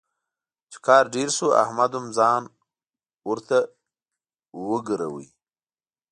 چې کار ډېر شو، احمد هم ځان ورته وګرولو.